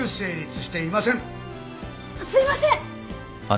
すいません！